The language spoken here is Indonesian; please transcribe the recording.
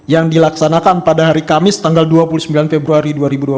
yang dilaksanakan pada hari kamis tanggal dua puluh sembilan februari dua ribu dua puluh